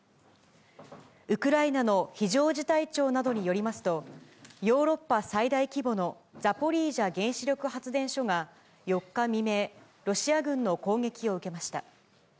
ウクライナの非常事態庁などによりますと、ヨーロッパ最大規模のザポリージャ原子力発電所が４日未明、ロシア軍の攻撃を受けました。